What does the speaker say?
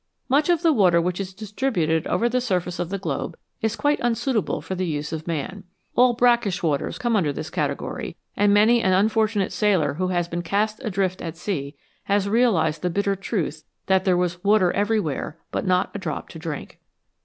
Much of the water which is distributed over the surface of the globe is quite unsuitable for the use of man. All brackish waters come under this category ; and many an unfortunate sailor who has been cast adrift at sea has realised the bitter truth that there was " water everywhere, but not a drop to drink."